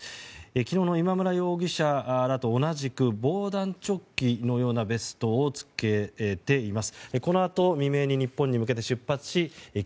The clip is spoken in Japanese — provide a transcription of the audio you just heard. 昨日の今村容疑者らと同じく防弾チョッキのようなベストを着けています。